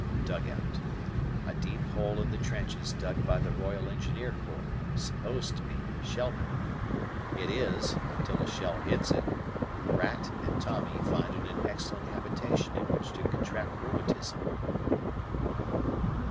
Dugout. A deep hole in the trenches dug by the Royal Engineer Corps; supposed to be shell proof. It is, until a shell hits it. Rat and Tommy find it an excellent habitation in which to contract rheumatism.